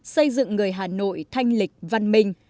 xây dựng người hà nội thanh lịch văn minh